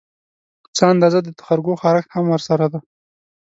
څه اندازه د تخرګو خارښت هم ورسره ده